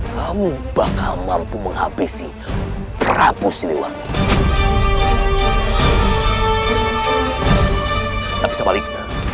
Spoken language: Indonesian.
kamu bakal mampu menghabisi prabu siliwak